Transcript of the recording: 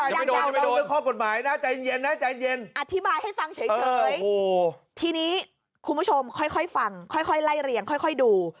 อธิบายให้ฟังเฉยทีนี้คุณผู้ชมค่อยฟังค่อยไล่เรียงค่อยดู